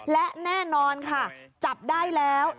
และแน่นอนค่ะจับได้แล้ว